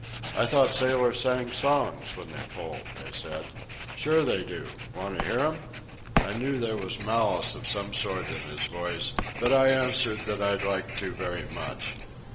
"I thought sailors sang songs when they pulled," I said. "Sure they do. Want to hear 'em?" I knew there was malice of some sort in his voice, but I answered that I'd like to very much.